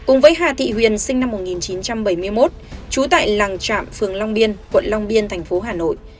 cùng với hà thị huyền sinh năm một nghìn chín trăm bảy mươi một trú tại làng trạm phường long biên quận long biên thành phố hà nội